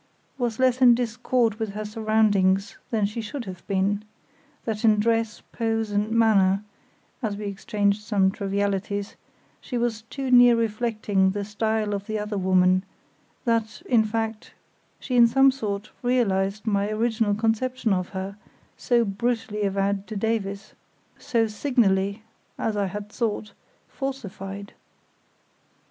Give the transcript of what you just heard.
—was less in discord with her surroundings than she should have been; that in dress, pose and manner (as we exchanged some trivialities) she was too near reflecting the style of the other woman; that, in fact, she in some sort realised my original conception of her, so brutally avowed to Davies, so signally, as I had thought, falsified.